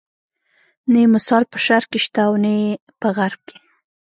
نه یې مثال په شرق کې شته او نه په غرب کې.